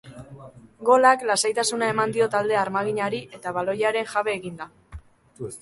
Golak lasaitasuna eman dio talde armaginari eta baloiaren jabe egin da.